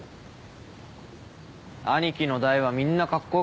兄貴の代はみんなカッコ良かったよ。